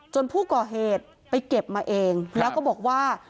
ผู้ก่อเหตุไปเก็บมาเองแล้วก็บอกว่า